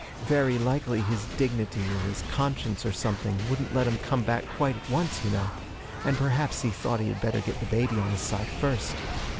Very likely his dignity or his conscience or something wouldn't let him come back quite at once, you know; and perhaps he thought he had better get the baby on his side first.